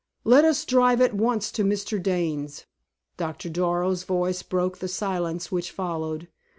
"Let us drive at once to Mr. Dane's," Doctor Darrow's voice broke the silence which followed.